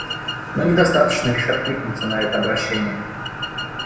Но недостаточно лишь откликнуться на это обращение.